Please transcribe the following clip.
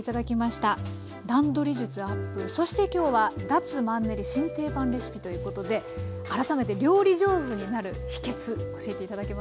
段取り術アップそしてきょうは脱マンネリ新定番レシピということで改めて料理上手になる秘けつ教えていただけますか。